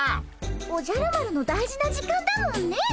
おじゃる丸の大事な時間だもんね。